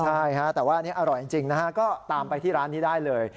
ใช่ฮะแต่ว่าอันนี้อร่อยจริงนะฮะก็ตามไปที่ร้านนี้ได้เลย